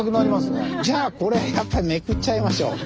じゃあこれやっぱりめくっちゃいましょう。